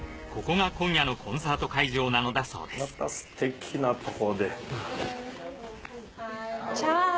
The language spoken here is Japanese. ここが今夜のコンサート会場なのだそうですチャオ！